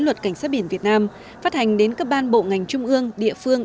luật cảnh sát biển việt nam phát hành đến các ban bộ ngành trung ương địa phương